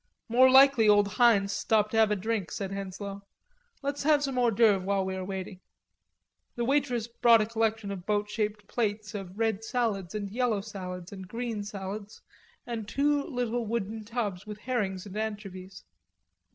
"More likely old Heinz stopped to have a drink," said Henslowe. "Let's have some hors d'oeuvre while we are waiting." The waitress brought a collection of boat shaped plates of red salads and yellow salads and green salads and two little wooden tubs with herrings and anchovies.